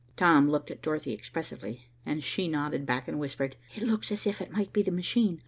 Tom looked at Dorothy expressively, and she nodded back and whispered. "It looks as if it might be the machine.